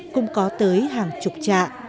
có tới hàng chục trạ